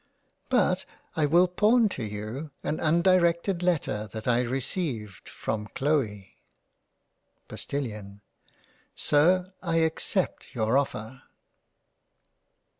But I will pawn to you an undirected Letter that I received from Chloe. Post:) Sir, I accept your offer.